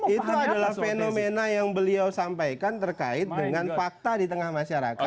itu adalah fenomena yang beliau sampaikan terkait dengan fakta di tengah masyarakat